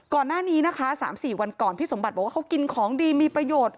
ก่อนหน้านี้นะคะ๓๔วันก่อนพี่สมบัติบอกว่าเขากินของดีมีประโยชน์